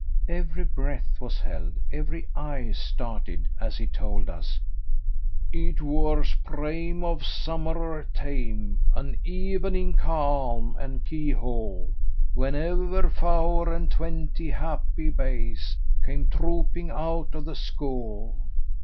Every breath was held, every eye started as he told us "It wors the prame of summerer tame, An even ing ca alm and kheoule, When er fower and twenty happy baies Cam trouping out of skheoule."